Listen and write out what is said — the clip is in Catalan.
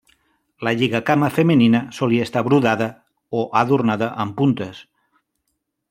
La lligacama femenina solia estar brodada o adornada amb puntes.